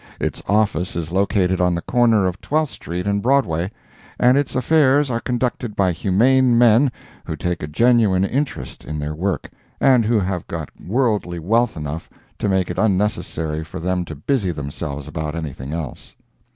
Its office is located on the corner of Twelfth street and Broadway, and its affairs are conducted by humane men who take a genuine interest in their work, and who have got worldly wealth enough to make it unnecessary for them to busy themselves about anything else.